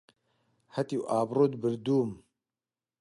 هەتیو ئابڕووت بردووم!